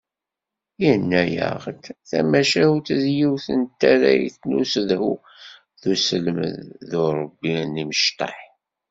Yenna-aɣ-d: “Tamacahut d yiwet n tarrayt n usedhu d uselmed d urebbi n yimecṭaḥ.”